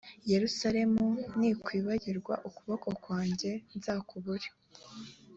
yerusalemu ninkwibagirwa ukuboko kwanjye nzakubure.